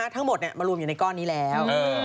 ทั้งหมดมารวมอยู่ในก้อนนี้แล้ว